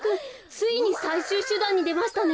ついにさいしゅうしゅだんにでましたね。